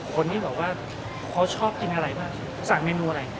คนที่บอกว่าเขาชอบกินอะไรบ้างสั่งเมนูอะไร